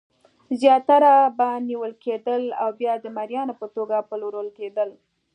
زیاتره به نیول کېدل او بیا د مریانو په توګه پلورل کېدل.